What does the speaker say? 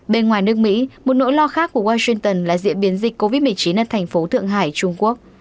bên ngoài nước mỹ một nỗi lo khác của washington là diễn biến dịch covid một mươi chín ở thành phố thượng hải trung quốc